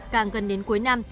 càng gần đến cuối năm